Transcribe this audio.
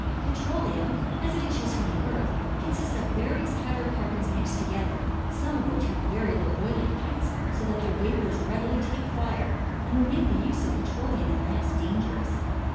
Petroleum as it issues from the earth consists of various hydrocarbons mixed together, some of which have very low boiling points, so that their vapors readily take fire and would make the use of petroleum in lamps dangerous.